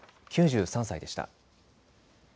９３歳でした。